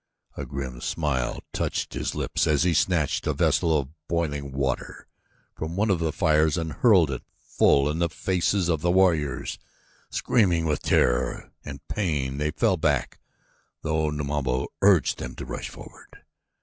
A grim smile touched his lips as he snatched a vessel of boiling water from one of the fires and hurled it full in the faces of the warriors. Screaming with terror and pain they fell back though Numabo urged them to rush forward.